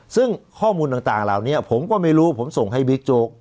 ซึ่งข้อมูลต่างเหล่านี้ผมก็ไม่รู้ผมส่งให้บิ๊กโจ๊ก